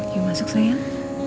yuk masuk sayang